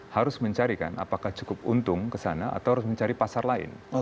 harus mencarikan apakah cukup untung kesana atau harus mencari pasar lain